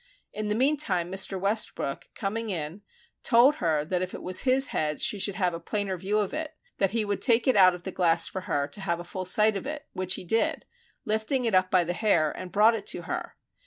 In the meantime Mr. Westbrook coming in, told her that if it was his head she should have a plainer view of it, that he would take it out of the glass for her to have a full sight of it, which he did, by lifting it up by the hair and brought it to her.